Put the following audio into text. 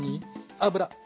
油！